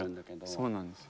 そうなんですよ。